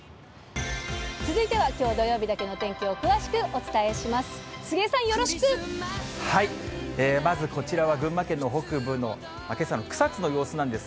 続いては、きょう土曜日だけのお天気を詳しくお伝えします。